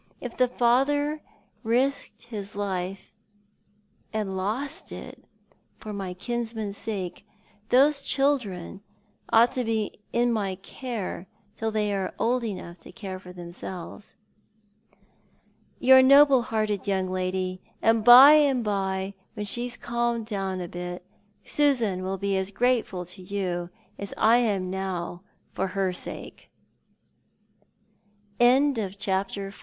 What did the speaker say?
If the father risked his life — and lost it — for my kinsman's sake, those chil dren ought to be my care till they are old enough to care for themselves." " You're a noble hearted young lady ; and by and by, when she's calmed down a bit, Susan will be as grateful to you as I am now for her sake." CHAPTER XV.